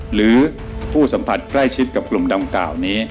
หรือผู้สัมผัสใกล้ชิดกับกลุ่มดังกล่าวนี้